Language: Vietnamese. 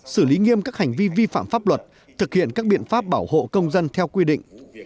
xử lý nghiêm các hành vi vi phạm pháp luật thực hiện các biện pháp bảo hộ công dân theo quy định